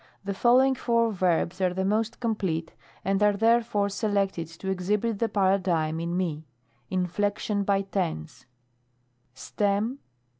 The following four verbs are the most complete, and are therefore selected to exhibit the Paradigm in fit, CSTFLEOTION BY TENSE. Stem.